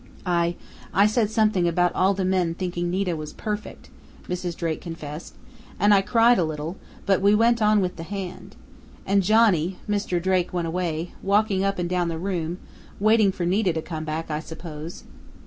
"I I said something about all the men thinking Nita was perfect," Mrs. Drake confessed, "and I cried a little, but we went on with the hand. And Johnny Mr. Drake went away, walking up and down the room, waiting for Nita to come back, I suppose!"